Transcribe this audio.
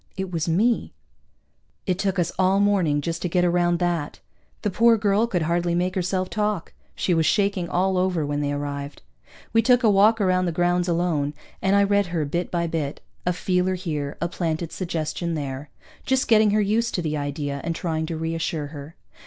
It was me. It took us all morning just to get around that. The poor girl could hardly make herself talk. She was shaking all over when they arrived. We took a walk around the grounds, alone, and I read her bit by bit a feeler here, a planted suggestion there, just getting her used to the idea and trying to reassure her.